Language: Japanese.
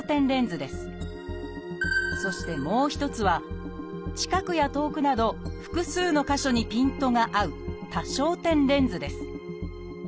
そしてもう一つは近くや遠くなど複数の箇所にピントが合う多焦点レンズです